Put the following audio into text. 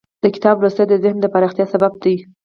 د کتاب لوستل د ذهن د پراختیا سبب دی.